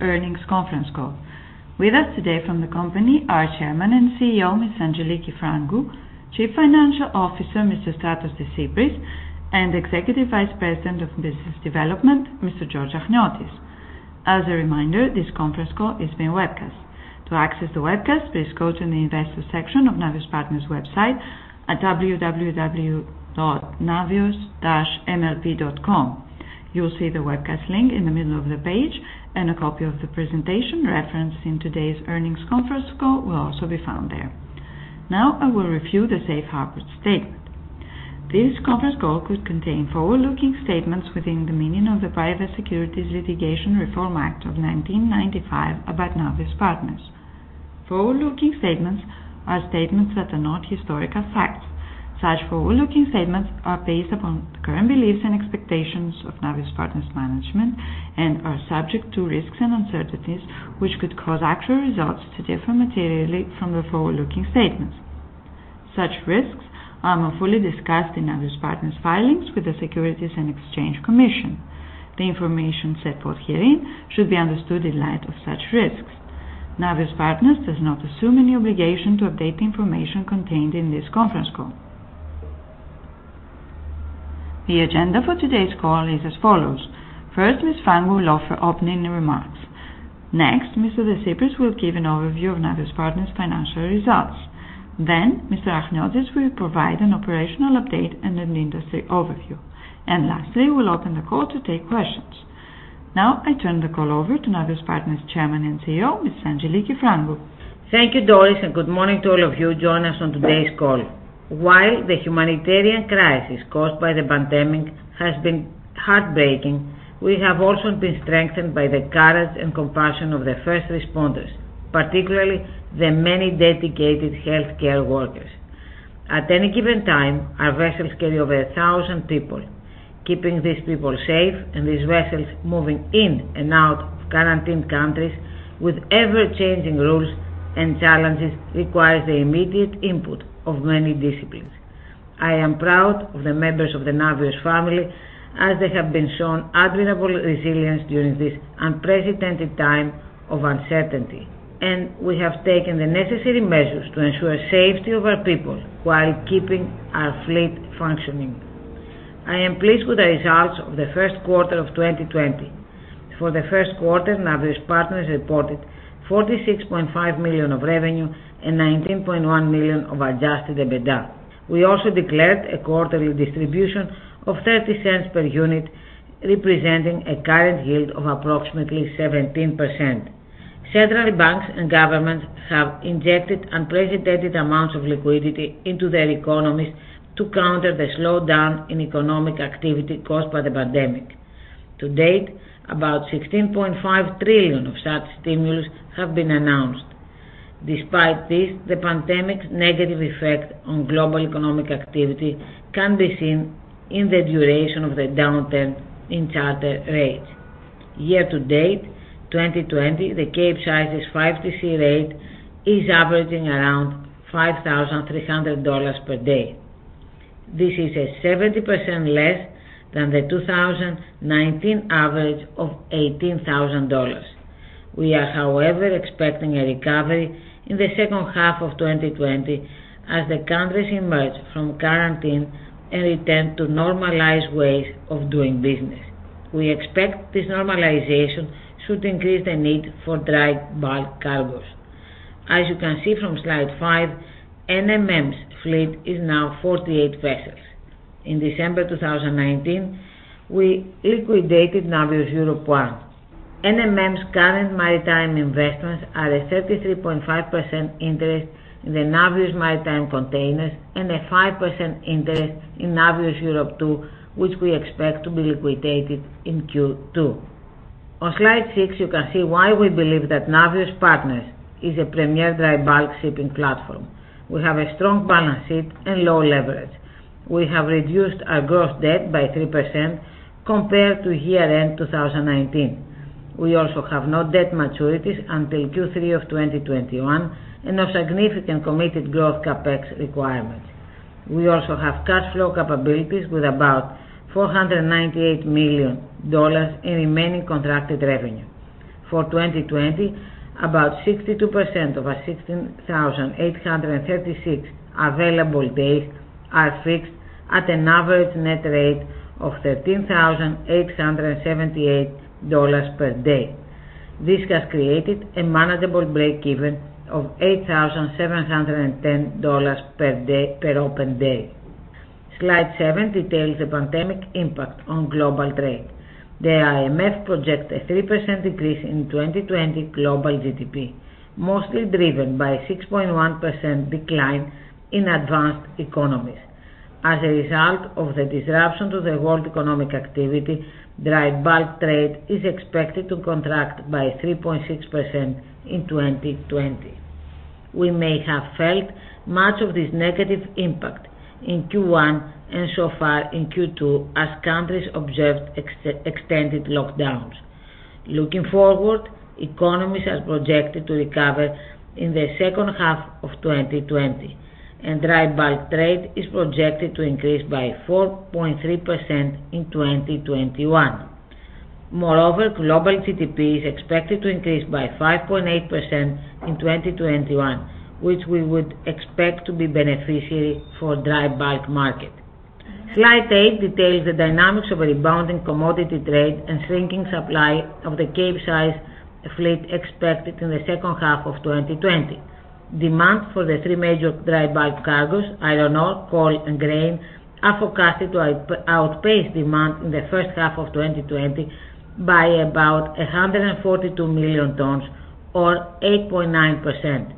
Earnings conference call. With us today from the company are Chairman and CEO, Ms. Angeliki Frangou, Chief Financial Officer, Mr. Stratos Desypris, and Executive Vice President of Business Development, Mr. George Achniotis. As a reminder, this conference call is being webcast. To access the webcast, please go to the investor section of Navios Partners website at www.navios-mlp.com. You will see the webcast link in the middle of the page, and a copy of the presentation referenced in today's earnings conference call will also be found there. Now I will review the safe harbor statement. This conference call could contain forward-looking statements within the meaning of the Private Securities Litigation Reform Act of 1995 about Navios Partners. Forward-looking statements are statements that are not historical facts. Such forward-looking statements are based upon the current beliefs and expectations of Navios Partners management and are subject to risks and uncertainties which could cause actual results to differ materially from the forward-looking statements. Such risks are fully discussed in Navios Partners filings with the Securities and Exchange Commission. The information set forth herein should be understood in light of such risks. Navios Partners does not assume any obligation to update the information contained in this conference call. The agenda for today's call is as follows. First, Ms. Frangou will offer opening remarks. Mr. Desypris will give an overview of Navios Partners' financial results. Mr. Achniotis will provide an operational update and an industry overview. Lastly, we'll open the call to take questions. Now I turn the call over to Navios Partners Chairman and CEO, Ms. Angeliki Frangou. Thank you, Doris, and good morning to all of you joining us on today's call. While the humanitarian crisis caused by the pandemic has been heartbreaking, we have also been strengthened by the courage and compassion of the first responders, particularly the many dedicated healthcare workers. At any given time, our vessels carry over 1,000 people. Keeping these people safe and these vessels moving in and out of quarantined countries with ever-changing rules and challenges requires the immediate input of many disciplines. I am proud of the members of the Navios family as they have shown admirable resilience during this unprecedented time of uncertainty, and we have taken the necessary measures to ensure safety of our people while keeping our fleet functioning. I am pleased with the results of the first quarter of 2020. For the first quarter, Navios Partners reported $46.5 million of revenue and $19.1 million of adjusted EBITDA. We also declared a quarterly distribution of $0.30 per unit, representing a current yield of approximately 17%. Central banks and governments have injected unprecedented amounts of liquidity into their economies to counter the slowdown in economic activity caused by the pandemic. To date, about $16.5 trillion of such stimulus have been announced. Despite this, the pandemic's negative effect on global economic activity can be seen in the duration of the downturn in charter rates. Year to date, 2020, the Capesize's 5TC rate is averaging around $5,300 per day. This is 70% less than the 2019 average of $18,000. We are, however, expecting a recovery in the second half of 2020 as the countries emerge from quarantine and return to normalized ways of doing business. We expect this normalization should increase the need for dry bulk cargoes. As you can see from slide five, NMM's fleet is now 48 vessels. In December 2019, we liquidated Navios Europe I. NMM's current maritime investments are a 33.5% interest in the Navios Maritime Containers and a 5% interest in Navios Europe II, which we expect to be liquidated in Q2. On slide six, you can see why we believe that Navios Partners is a premier dry bulk shipping platform. We have a strong balance sheet and low leverage. We have reduced our gross debt by 3% compared to year-end 2019. We also have no debt maturities until Q3 of 2021 and no significant committed growth CapEx requirements. We also have cash flow capabilities with about $498 million in remaining contracted revenue. For 2020, about 62% of our 16,836 available days are fixed at an average net rate of $13,878 per day. This has created a manageable break-even of $8,710 per open day. Slide seven details the pandemic impact on global trade. The IMF projects a 3% decrease in 2020 global GDP, mostly driven by a 6.1% decline in advanced economies. As a result of the disruption to the world economic activity, dry bulk trade is expected to contract by 3.6% in 2020. We may have felt much of this negative impact in Q1 and so far in Q2 as countries observed extended lockdowns. Looking forward, economies are projected to recover in the second half of 2020. Dry bulk trade is projected to increase by 4.3% in 2021. Moreover, global GDP is expected to increase by 5.8% in 2021, which we would expect to be beneficiary for dry bulk market. Slide eight details the dynamics of a rebound in commodity trade and shrinking supply of the Capesize fleet expected in the second half of 2020. Demand for the three major dry bulk cargoes, iron ore, coal, and grain, are forecasted to outpace demand in the first half of 2020 by about 142 million tons or 8.9%.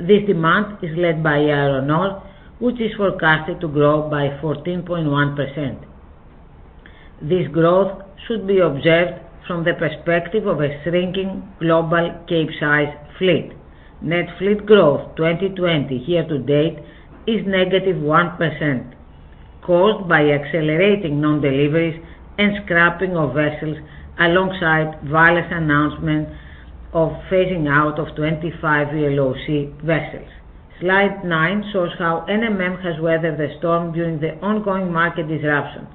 This demand is led by iron ore, which is forecasted to grow by 14.1%. This growth should be observed from the perspective of a shrinking global Capesize fleet. Net fleet growth 2020 year to date is -1%, caused by accelerating non-deliveries and scrapping of vessels, alongside various announcements of phasing out of 25 VLOC vessels. Slide nine shows how NMM has weathered the storm during the ongoing market disruption.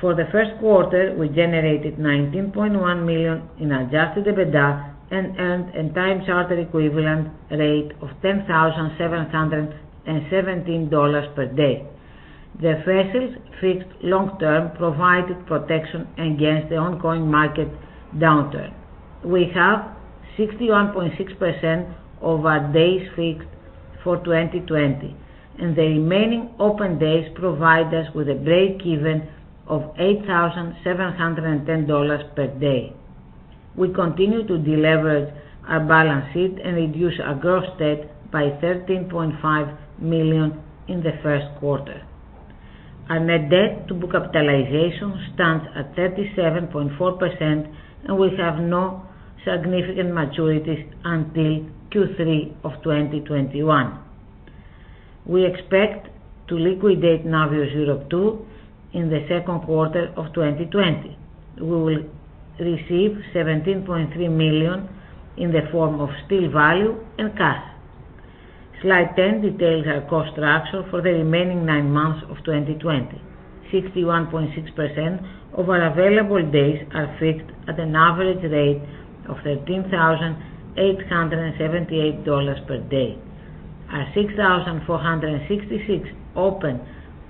For the first quarter, we generated $19.1 million in adjusted EBITDA and earned a time charter equivalent rate of $10,717 per day. The vessels fixed long-term provided protection against the ongoing market downturn. We have 61.6% of our days fixed for 2020, and the remaining open days provide us with a break-even of $8,710 per day. We continue to deleverage our balance sheet and reduce our gross debt by $13.5 million in the first quarter. Our net debt to capitalization stands at 37.4%, and we have no significant maturities until Q3 of 2021. We expect to liquidate Navios Europe II in the second quarter of 2020. We will receive $17.3 million in the form of steel value and cash. Slide 10 details our cost structure for the remaining nine months of 2020. 61.6% of our available days are fixed at an average rate of $13,878 per day. Our 6,466 open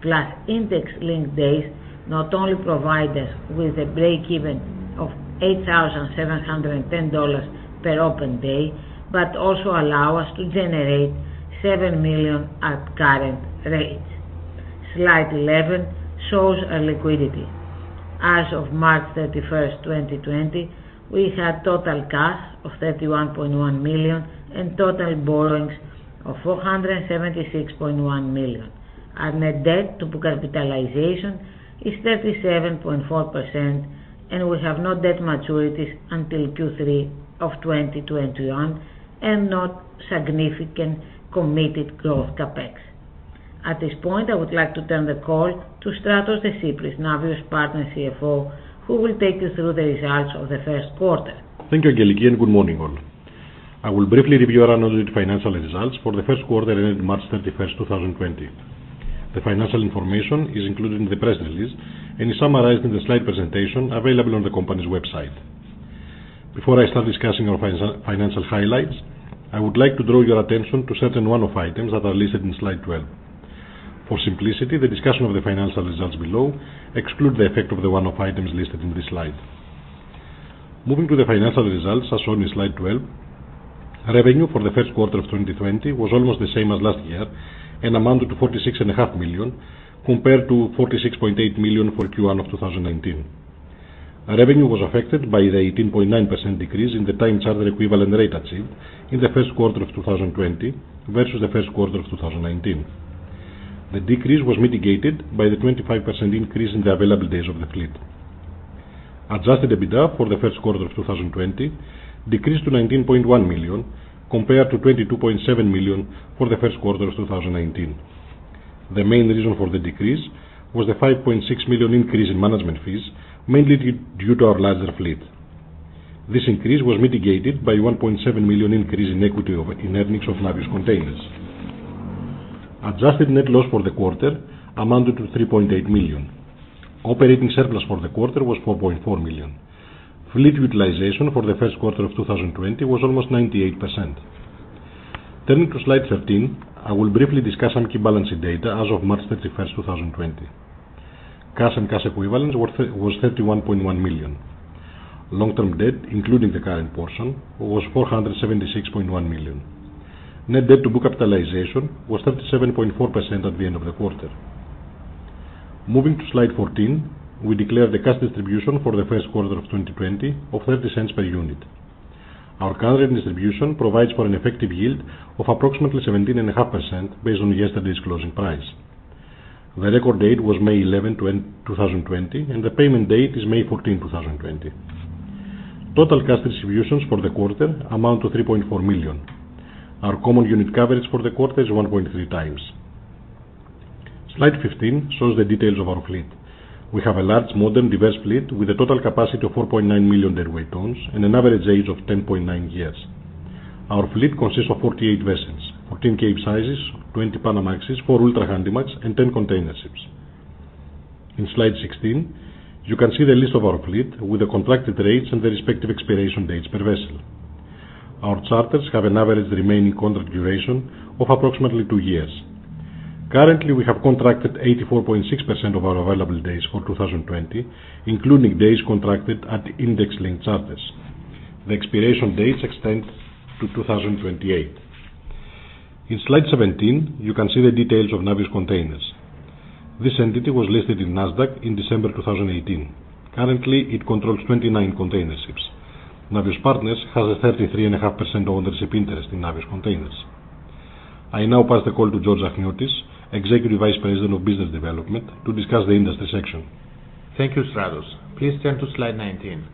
plus index-linked days not only provide us with a break-even of $8,710 per open day but also allow us to generate $7 million at current rates. Slide 11 shows our liquidity. As of March 31st, 2020, we had total cash of $31.1 million and total borrowings of $476.1 million. Our net debt to capitalization is 37.4%, and we have no debt maturities until Q3 of 2021 and no significant committed growth CapEx. At this point, I would like to turn the call to Stratos Desypris, Navios Partner CFO, who will take you through the results of the first quarter. Thank you, Angeliki, and good morning, all. I will briefly review our unaudited financial results for the first quarter ended March 31, 2020. The financial information is included in the press release and is summarized in the slide presentation available on the company's website. Before I start discussing our financial highlights, I would like to draw your attention to certain one-off items that are listed in slide 12. For simplicity, the discussion of the financial results below exclude the effect of the one-off items listed in this slide. Moving to the financial results as shown in slide 12, revenue for the first quarter of 2020 was almost the same as last year and amounted to $46.5 million, compared to $46.8 million for Q1 of 2019. Revenue was affected by the 18.9% decrease in the time charter equivalent rate achieved in the first quarter of 2020 versus the first quarter of 2019. The decrease was mitigated by the 25% increase in the available days of the fleet. Adjusted EBITDA for the first quarter of 2020 decreased to $19.1 million, compared to $22.7 million for the first quarter of 2019. The main reason for the decrease was the $5.6 million increase in management fees, mainly due to our larger fleet. This increase was mitigated by $1.7 million increase in equity of in earnings of Navios Containers. Adjusted net loss for the quarter amounted to $3.8 million. Operating surplus for the quarter was $4.4 million. Fleet utilization for the first quarter of 2020 was almost 98%. Turning to slide 13, I will briefly discuss some key balance sheet data as of March 31st, 2020. Cash and cash equivalents was $31.1 million. Long-term debt, including the current portion, was $476.1 million. Net debt to capitalization was 37.4% at the end of the quarter. Moving to slide 14, we declare the cash distribution for the first quarter of 2020 of $0.30 per unit. Our current distribution provides for an effective yield of approximately 17.5% based on yesterday's closing price. The record date was May 11, 2020, and the payment date is May 14, 2020. Total cash distributions for the quarter amount to $3.4 million. Our common unit coverage for the quarter is 1.3 times. Slide 15 shows the details of our fleet. We have a large, modern, diverse fleet with a total capacity of 4.9 million deadweight tons and an average age of 10.9 years. Our fleet consists of 48 vessels, 14 Capesize, 20 Panamax, four Ultra-Handymax, and 10 container ships. In slide 16, you can see the list of our fleet with the contracted rates and the respective expiration dates per vessel. Our charters have an average remaining contract duration of approximately two years. Currently, we have contracted 84.6% of our available days for 2020, including days contracted at index-linked charters. The expiration dates extend to 2028. In slide 17, you can see the details of Navios Containers. This entity was listed in Nasdaq in December 2018. Currently, it controls 29 container ships. Navios Partners has a 33.5% ownership interest in Navios Containers. I now pass the call to George Achniotis, Executive Vice President of Business Development, to discuss the industry section. Thank you, Stratos. Please turn to slide 19.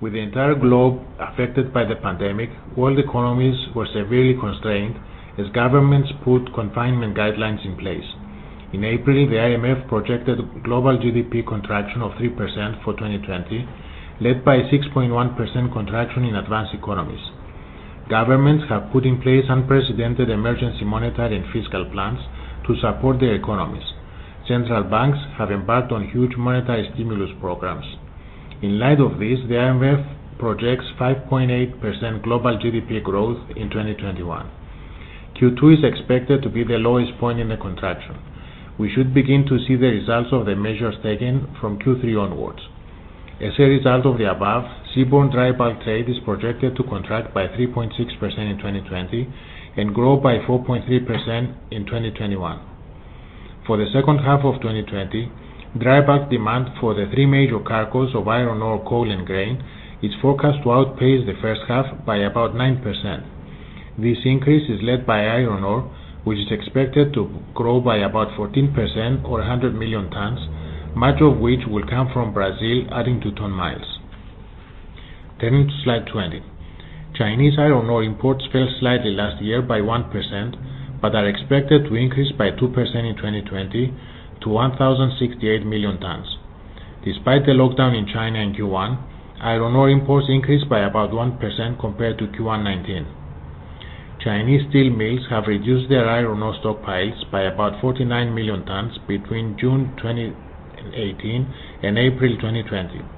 With the entire globe affected by the pandemic, world economies were severely constrained as governments put confinement guidelines in place. In April, the IMF projected global GDP contraction of 3% for 2020, led by 6.1% contraction in advanced economies. Governments have put in place unprecedented emergency monetary and fiscal plans to support their economies. Central banks have embarked on huge monetary stimulus programs. In light of this, the IMF projects 5.8% global GDP growth in 2021. Q2 is expected to be the lowest point in the contraction. We should begin to see the results of the measures taken from Q3 onwards. As a result of the above, seaborne dry bulk trade is projected to contract by 3.6% in 2020 and grow by 4.3% in 2021. For the second half of 2020, dry bulk demand for the three major cargoes of iron ore, coal, and grain is forecast to outpace the first half by about 9%. This increase is led by iron ore, which is expected to grow by about 14% or 100 million tons, much of which will come from Brazil, adding to ton miles. Turning to slide 20. Chinese iron ore imports fell slightly last year by 1%, but are expected to increase by 2% in 2020 to 1,068 million tons. Despite the lockdown in China in Q1, iron ore imports increased by about 1% compared to Q1 2019. Chinese steel mills have reduced their iron ore stockpiles by about 49 million tons between June 2018 and April 2020.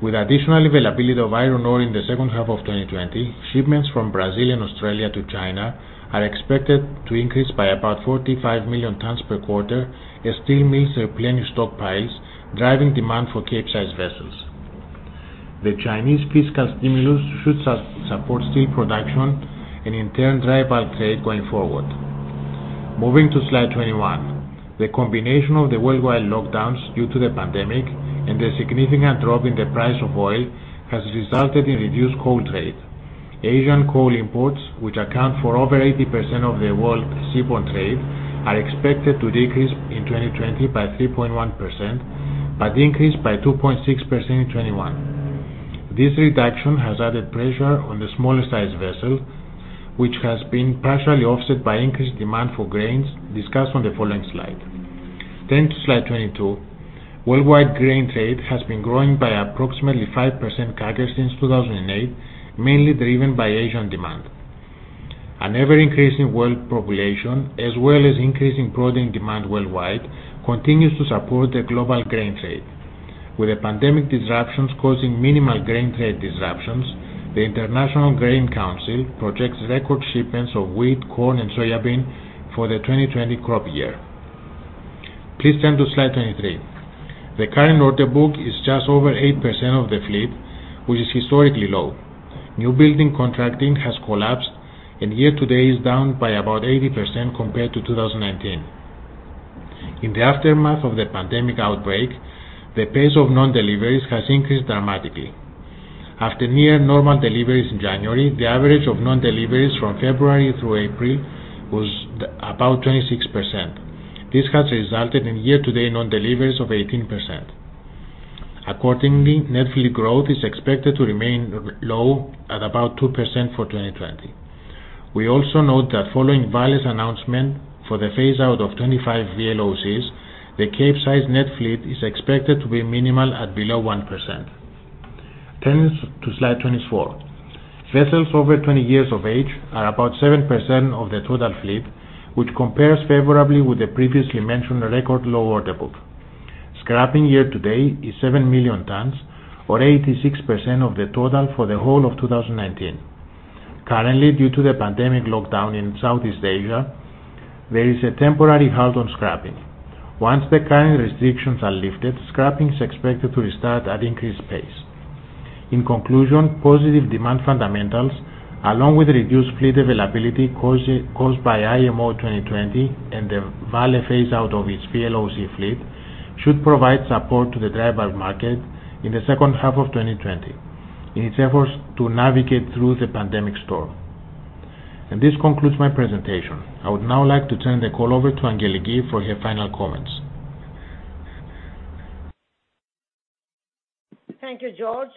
With additional availability of iron ore in the second half of 2020, shipments from Brazil and Australia to China are expected to increase by about 45 million tons per quarter as steel mills replenish stockpiles, driving demand for Capesize vessels. The Chinese fiscal stimulus should support steel production and in turn, dry bulk trade going forward. Moving to slide 21. The combination of the worldwide lockdowns due to the pandemic and the significant drop in the price of oil has resulted in reduced coal trade. Asian coal imports, which account for over 80% of the world's seaborne trade, are expected to decrease in 2020 by 3.1%, but increase by 2.6% in 2021. This reduction has added pressure on the smaller size vessels, which has been partially offset by increased demand for grains discussed on the following slide. To slide 22. Worldwide grain trade has been growing by approximately 5% CAGR since 2008, mainly driven by Asian demand. An ever-increasing world population, as well as increasing protein demand worldwide, continues to support the global grain trade. With the pandemic disruptions causing minimal grain trade disruptions, the International Grains Council projects record shipments of wheat, corn, and soybean for the 2020 crop year. Please turn to slide 23. The current order book is just over 8% of the fleet, which is historically low. Newbuilding contracting has collapsed, and year-to-date is down by about 80% compared to 2019. In the aftermath of the pandemic outbreak, the pace of non-deliveries has increased dramatically. After near normal deliveries in January, the average of non-deliveries from February through April was about 26%. This has resulted in year-to-date non-deliveries of 18%. Accordingly, net fleet growth is expected to remain low at about 2% for 2020. We also note that following Vale's announcement for the phase-out of 25 VLOCs, the Capesize net fleet is expected to be minimal at below 1%. Turning to slide 24. Vessels over 20 years of age are about 7% of the total fleet, which compares favorably with the previously mentioned record low order book. Scrapping year-to-date is 7 million tons, or 86% of the total for the whole of 2019. Currently, due to the pandemic lockdown in Southeast Asia, there is a temporary halt on scrapping. Once the current restrictions are lifted, scrapping is expected to restart at increased pace. In conclusion, positive demand fundamentals, along with reduced fleet availability caused by IMO 2020 and the Vale phase-out of its VLOC fleet, should provide support to the dry bulk market in the second half of 2020 in its efforts to navigate through the pandemic storm. This concludes my presentation. I would now like to turn the call over to Angeliki for her final comments. Thank you, George.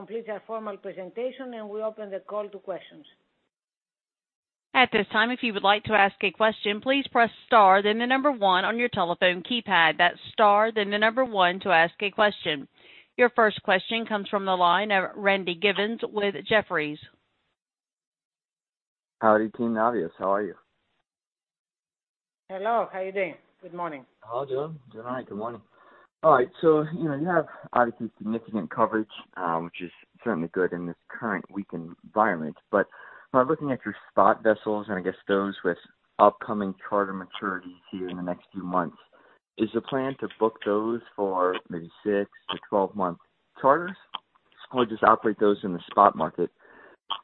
This completes our formal presentation, and we open the call to questions. At this time, if you would like to ask a question, please press star then the number one on your telephone keypad. That's star then the number one to ask a question. Your first question comes from the line of Randy Giveans with Jefferies. Howdy, team Navios. How are you? Hello. How you doing? Good morning. How you doing? Doing all right. Good morning. All right. You have obviously significant coverage, which is certainly good in this current weakened environment. By looking at your spot vessels, and I guess those with upcoming charter maturities here in the next few months, is the plan to book those for maybe 6-12 month charters, or just operate those in the spot market?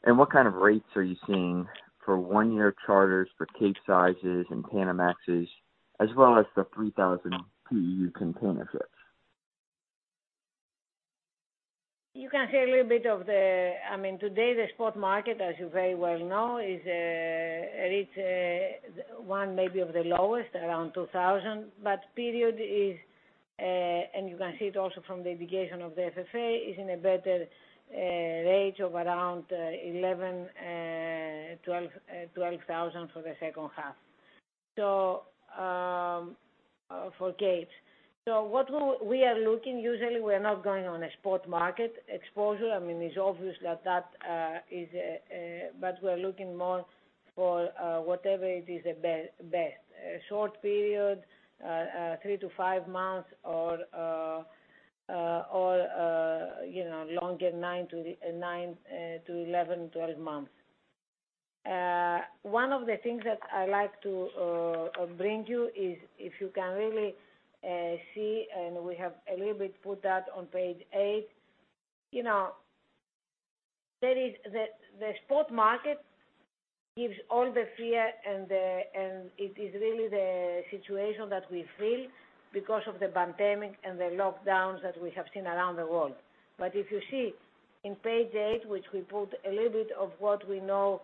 What kind of rates are you seeing for one-year charters for Capesizes and Panamaxes, as well as the 3,000 TEU container ships? You can see a little bit of the today, the spot market, as you very well know, it reached one maybe of the lowest, around $2,000. Period is, and you can see it also from the indication of the FFA, is in a better range of around $11,000-$12,000 for the second half for Capes. What we are looking usually, we are not going on a spot market exposure. It's obvious. We're looking more for whatever it is the best. A short period, three to five months or longer, 9-11, 12 months. One of the things that I like to bring you is if you can really see, and we have a little bit put that on page eight. The spot market gives all the fear, and it is really the situation that we feel because of the pandemic and the lockdowns that we have seen around the world. If you see in page eight, which we put a little bit of what we know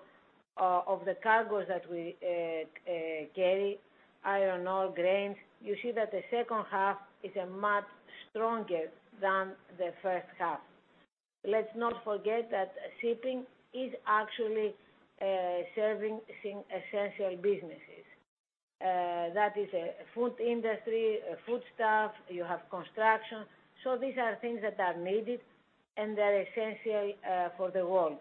of the cargoes that we carry, iron ore, grains, you see that the second half is a much stronger than the first half. Let's not forget that shipping is actually serving essential businesses. That is a food industry, food stuff, you have construction. These are things that are needed and they're essential for the world.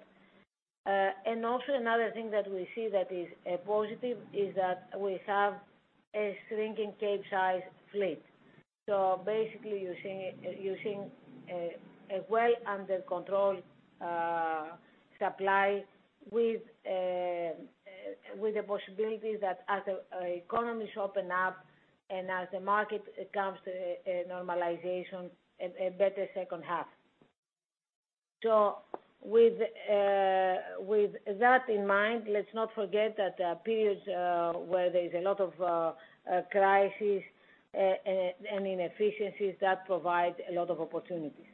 Also another thing that we see that is positive is that we have a shrinking Capesize fleet. Basically, you're seeing a well under control supply with the possibility that as economies open up and as the market comes to a normalization, a better second half. With that in mind, let's not forget that periods where there is a lot of crisis and inefficiencies, that provide a lot of opportunities.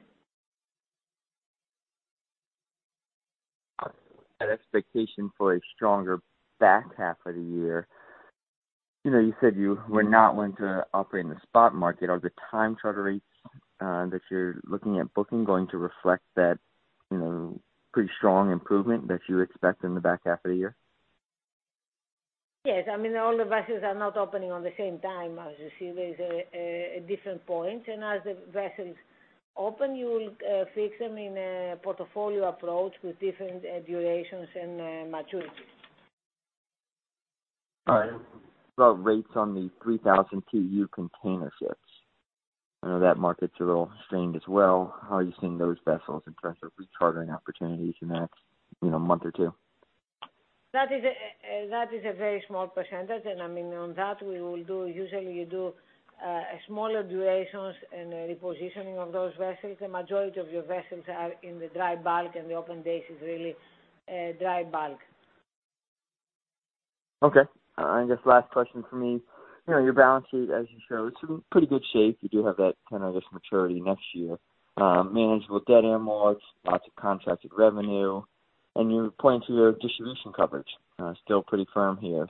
That expectation for a stronger back half of the year, you said you were not going to operate in the spot market. Are the time charter rates that you're looking at booking going to reflect that pretty strong improvement that you expect in the back half of the year? Yes. All the vessels are not opening on the same time. As you see, there is a different point. As the vessels open, you will fix them in a portfolio approach with different durations and maturities. All right. What about rates on the 3,000 TEU container ships? I know that market's a little strained as well. How are you seeing those vessels in terms of chartering opportunities in the next month or two? That is a very small percentage. On that, usually you do a smaller durations and a repositioning of those vessels. The majority of your vessels are in the dry bulk, and the open days is really dry bulk. I guess last question from me. Your balance sheet, as you showed, it's in pretty good shape. You do have that $10 million maturity next year. Manageable debt and amorts, lots of contracted revenue. You point to your distribution coverage, still pretty firm here.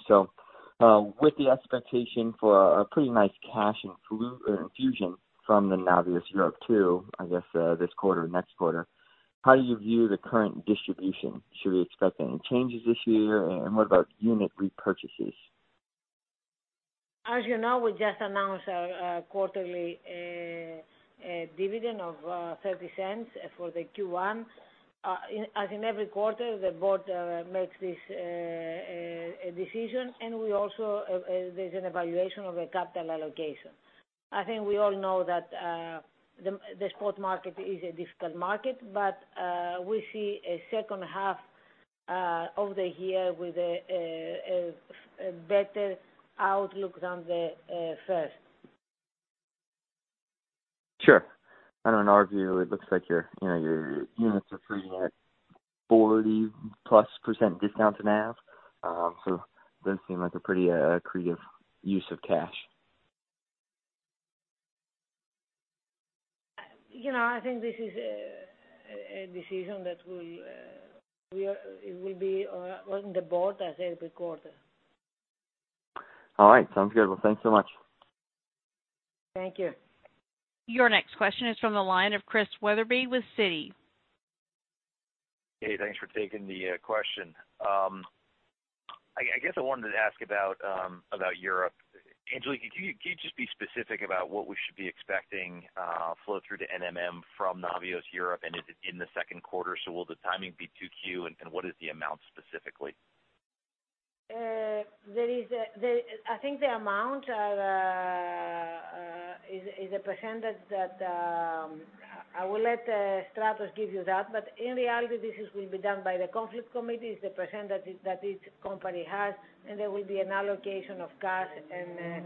With the expectation for a pretty nice cash infusion from the Navios Europe II, I guess, this quarter or next quarter, how do you view the current distribution? Should we expect any changes this year? What about unit repurchases? As you know, we just announced our quarterly dividend of $0.30 for the Q1. As in every quarter, the board makes this decision, and also there's an evaluation of a capital allocation. I think we all know that the spot market is a difficult market. We see a second half of the year with a better outlook than the first. Sure. I know in our view, it looks like your units are trading at 40%+ discount to NAV. Does seem like a pretty accretive use of cash. I think this is a decision that it will be on the board as every quarter. All right. Sounds good. Well, thanks so much. Thank you. Your next question is from the line of Chris Wetherbee with Citi. Hey, thanks for taking the question. I guess I wanted to ask about Europe. Angeliki, can you just be specific about what we should be expecting flow through to NMM from Navios Europe and in the second quarter? Will the timing be 2Q, and what is the amount specifically? I think the amount is a percentage that I will let Stratos give you that. In reality, this will be done by the Conflicts Committee. It's the percentage that each company has. There will be an allocation of cash and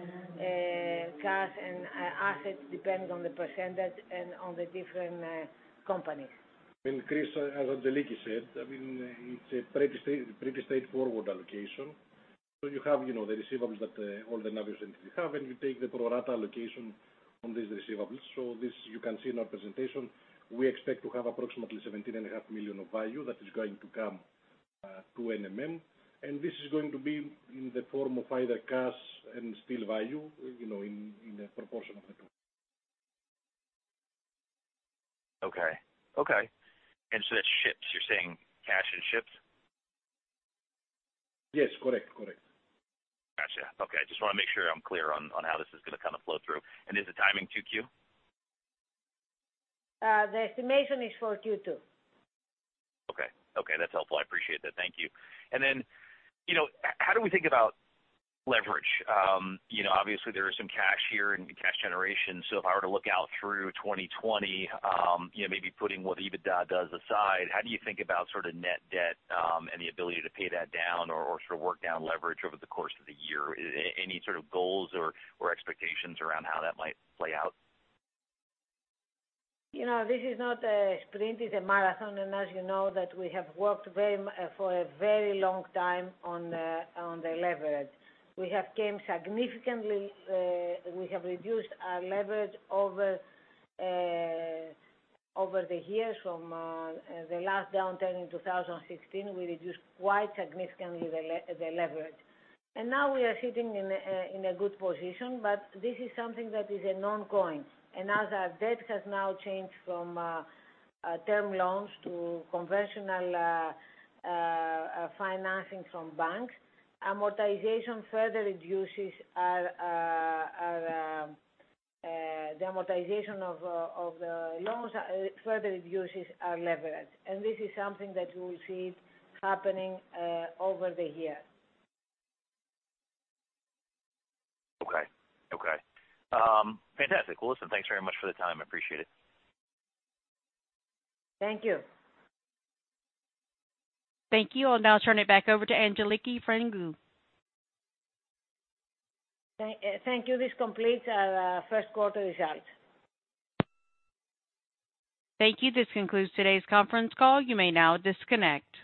assets depending on the percentage and on the different companies. Chris, as Angeliki said, it's a pretty straightforward allocation. You have the receivables that all the Navios entities have, and you take the pro rata allocation on these receivables. This you can see in our presentation. We expect to have approximately $17.5 million of value that is going to come to NMM, and this is going to be in the form of either cash and steel value. Okay. That's ships, you're saying cash and ships? Yes, correct. Got you. Okay. Just want to make sure I'm clear on how this is going to kind of flow through. Is the timing 2Q? The estimation is for Q2. Okay. That's helpful, I appreciate that. Thank you. How do we think about leverage? Obviously, there is some cash here and cash generation, so if I were to look out through 2020, maybe putting what EBITDA does aside, how do you think about net debt, and the ability to pay that down or work down leverage over the course of the year? Any sort of goals or expectations around how that might play out? This is not a sprint, it's a marathon. As you know that we have worked for a very long time on the leverage. We have reduced our leverage over the years from the last downturn in 2016. We reduced quite significantly the leverage. Now we are sitting in a good position, but this is something that is an ongoing. As our debt has now changed from term loans to conventional financing from banks, the amortization of the loans further reduces our leverage. This is something that you will see happening over the year. Okay. Fantastic. Listen, thanks very much for the time. Appreciate it. Thank you. Thank you. I'll now turn it back over to Angeliki Frangou. Thank you. This completes our first quarter results. Thank you. This concludes today's conference call. You may now disconnect.